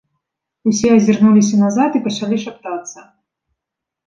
Усе азірнуліся назад і пачалі шаптацца.